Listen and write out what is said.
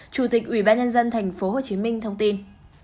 chủ tịch ubnd tp hcm thông tin